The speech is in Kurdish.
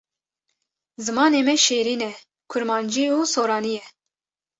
Zimanê me şêrîn e kurmancî û soranî ye.